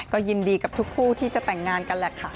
ก็ยินดีกับทุกคู่ที่จะแต่งงานกันแหละค่ะ